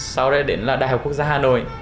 sau đấy đến là đại học quốc gia hà nội